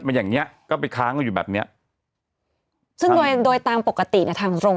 อย่างเงี้ยก็ไปค้างอยู่แบบเนี้ยซึ่งโดยโดยตามปกติเนี่ยทางตรง